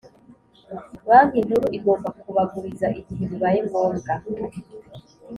Banki Nkuru igomba kubaguriza igihe bibaye ngombwa